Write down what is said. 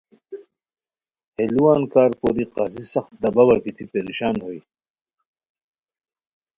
ہے لُوان کارکوری قاضی سخت دباوا گیتی پریشان ہوئے